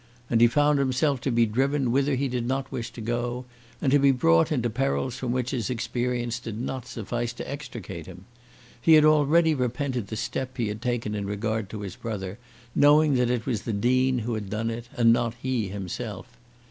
And he found himself to be driven whither he did not wish to go, and to be brought into perils from which his experience did not suffice to extricate him. He already repented the step he had taken in regard to his brother, knowing that it was the Dean who had done it, and not he himself.